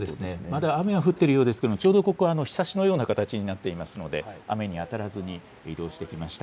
まだ雨が降っているようですけれども、ちょうどここ、ひさしのような形になっていますので、雨に当たらずに移動してきました。